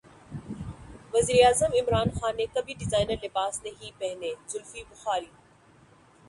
وزیراعظم عمران خان نے کبھی ڈیزائنر لباس نہیں پہنے زلفی بخاری